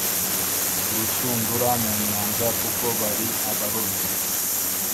urushundura mu nyanja kuko bari abarobyi